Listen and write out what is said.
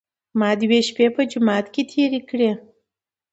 ما دوې شپې په جومات کې تېرې کړې.